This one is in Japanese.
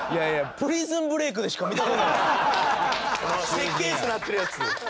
設計図になってるやつ。